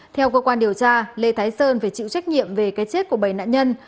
theo cơ quan điều tra lê thái sơn phải chịu trách nhiệm về cái chết của bảy nạn nhân